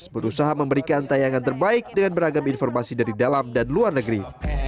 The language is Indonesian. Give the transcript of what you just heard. berusaha memberikan tayangan terbaik dengan beragam informasi dari dalam dan luar negeri